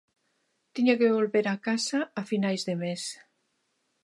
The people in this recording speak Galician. Tiña que volver á casa a finais de mes.